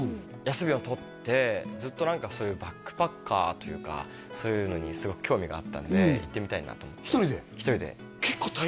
休みを取ってずっと何かそういうバックパッカーというかそういうのにすごく興味があったんで行ってみたいなと思って１人で？